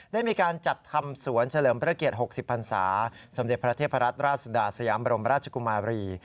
ได้มีการจัดทำสวนเฉลิมพระเกียรติ๖๐พันศาสมเด็จพระเทพรัตนราชสุดาสยามบรมราชกุมารี